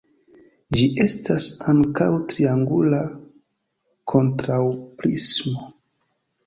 Ĝi estas ankaŭ triangula kontraŭprismo.